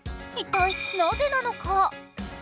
一体なぜなのか。